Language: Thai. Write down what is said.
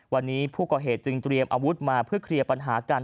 วันนี้ผู้ก่อเหตุจึงเตรียมอาวุธมาเพื่อเคลียร์ปัญหากัน